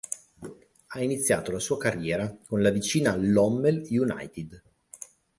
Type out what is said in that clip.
Ha iniziato la sua carriera con la vicina Lommel United.